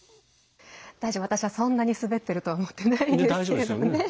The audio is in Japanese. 大丈夫、私は、そんなにスベってるとは思ってないです。